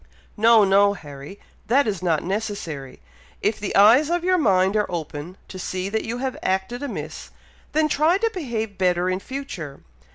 "No, no, Harry! that is not necessary! If the eyes of your mind are open, to see that you have acted amiss, then try to behave better in future.